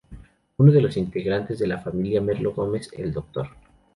Uno de los integrantes de la familia Merlo Gómez, el Dr.